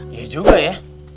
iya juga ya